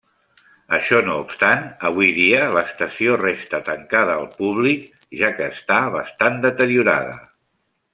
Això no obstant, avui dia l'estació resta tancada al públic, ja que està bastant deteriorada.